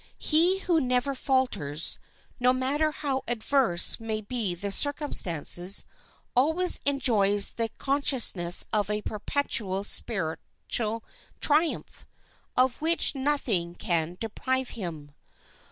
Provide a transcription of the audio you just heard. He who never falters, no matter how adverse may be the circumstances, always enjoys the consciousness of a perpetual spiritual triumph, of which nothing can deprive him.